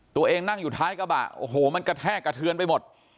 ตัวเองนั่งอยู่ท้ายกระบะโอ้โหมันกระแทกกระเทือนไปหมด